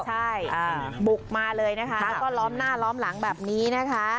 ใช่บุกมาเลยนะคะแล้วก็ล้อมหน้าล้อมหลังแบบนี้นะคะ